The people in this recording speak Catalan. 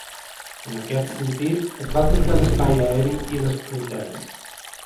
En aquest sentit, es va tancar l’espai aeri i les fronteres.